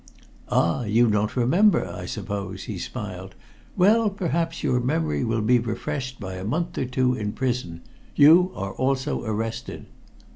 "Ah, you don't remember, I suppose!" he smiled. "Well, perhaps your memory will be refreshed by a month or two in prison. You are also arrested."